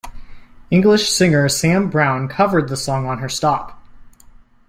English singer Sam Brown covered the song on her Stop!